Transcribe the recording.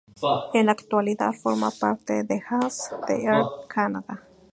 En la actualidad forma parte de Jazz de Air Canada.